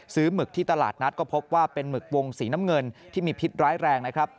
หมึกที่ตลาดนัดก็พบว่าเป็นหมึกวงสีน้ำเงินที่มีพิษร้ายแรงนะครับ